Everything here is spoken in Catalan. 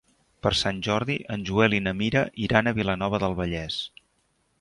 Per Sant Jordi en Joel i na Mira iran a Vilanova del Vallès.